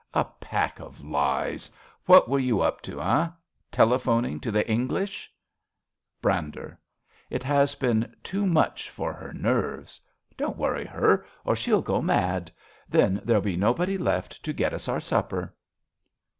A pack of lies ! What were you up to, eh ? Telephoning to the English ? Brander. It has been too much for her nerves. 27 RADA Don't worry her, or she'll go mad. Then there'll be nobody left to get us our supper.